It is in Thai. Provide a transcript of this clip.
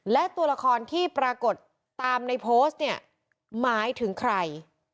และตัวละครที่ปรากฏตามในโพสต์เนี่ยหมายถึงใคร